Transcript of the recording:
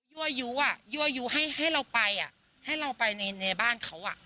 ั่วยู้อ่ะยั่วยู้ให้เราไปอ่ะให้เราไปในบ้านเขาอ่ะ